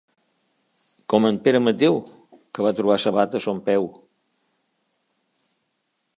Com en Pere Mateu, que va trobar sabata a son peu.